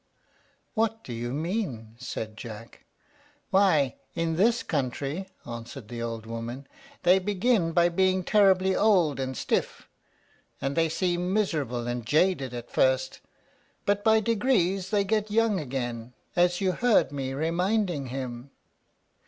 "What do you mean?" said Jack. "Why, in this country," answered the old woman, "they begin by being terribly old and stiff, and they seem miserable and jaded at first, but by degrees they get young again, as you heard me reminding him."